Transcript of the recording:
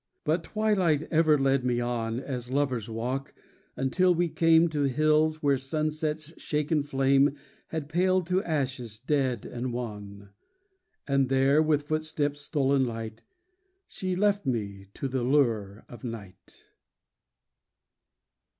43 But Twilight ever led me on, As lovers walk, until we came To hills where sunset's shaken flame Had paled to ashes dead and wan; And there, with footsteps stolen light She left me to the lure of night.